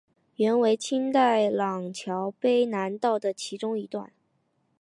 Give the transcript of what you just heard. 原为清代琅峤卑南道的其中一段。